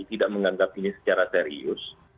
tidak menganggap ini secara serius